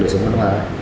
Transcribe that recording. đời sống văn hóa